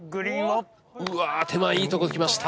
うわ手前いいとこ来ました。